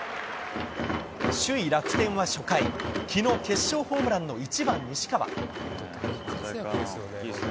首位楽天は初回、きのう、決勝ホームランの１番西川。